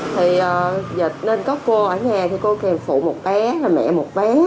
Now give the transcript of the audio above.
thì dịch nên có cô ở nhà thì cô kèm phụ một bé và mẹ một bé